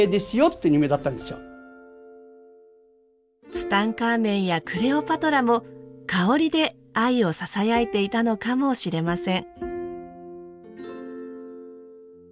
ツタンカーメンやクレオパトラも香りで愛をささやいていたのかもしれません。